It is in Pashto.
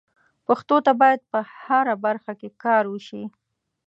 پښتو ته باید په هره برخه کې کار وشي.